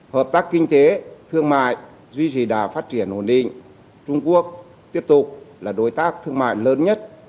hợp tác kinh tế thương mại duy trì đà phát triển ổn định trung quốc tiếp tục là đối tác thương mại lớn nhất